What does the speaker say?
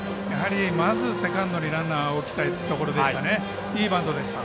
まずセカンドにランナーを置きたいところでしたね。